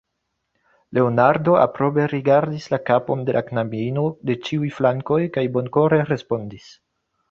Leonardo aprobe rigardis la kapon de la knabino de ĉiuj flankoj kaj bonkore respondis: